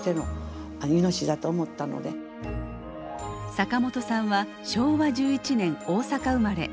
坂本さんは昭和１１年大阪生まれ。